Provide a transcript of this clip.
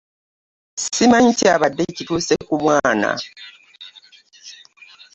Simanyi kyabadde kituuse ku mwana.